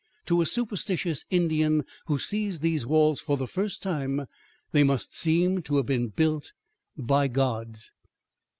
To a superstitious Indian who sees these walls for the first time, they must seem to have been built by gods.